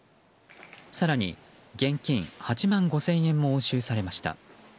更に現金８万５０００円も押収されました。